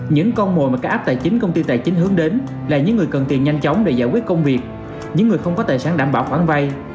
những người không có tài sản đảm bảo khoản vay